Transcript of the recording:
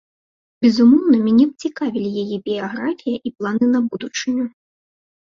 Безумоўна, мяне б цікавілі яе біяграфія і планы на будучыню.